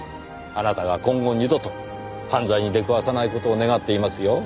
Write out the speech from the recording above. あなたが今後二度と犯罪に出くわさない事を願っていますよ。